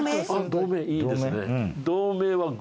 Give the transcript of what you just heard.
同盟いいですね。